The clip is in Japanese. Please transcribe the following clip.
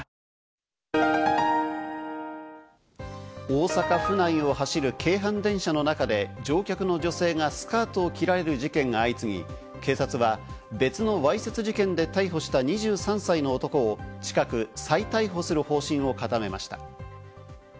大阪府内を走る京阪電車の中で乗客の女性がスカートを切られる事件が相次ぎ、警察は別のわいせつ事件で逮捕した２３歳の男を近く再逮捕する方針を固めました。